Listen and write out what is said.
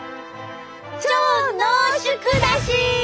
超濃縮だし！